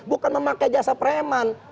bukan memakai jasa preman